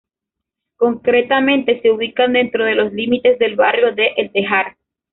Concretamente se ubica dentro de los límites del barrio de El Tejar.